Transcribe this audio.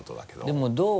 でもどう？